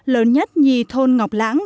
lớn nhất nhì thôn ngọc lãng